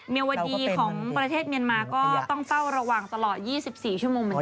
เมียวดีของประเทศเมียนมาก็ต้องเฝ้าระวังตลอด๒๔ชั่วโมงเหมือนกัน